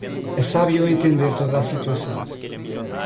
É sábio entender toda a situação.